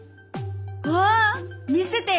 わあ見せてよ！